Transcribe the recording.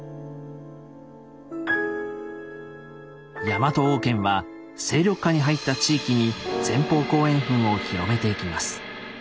ヤマト王権は勢力下に入った地域に前方後円墳を広めていきます。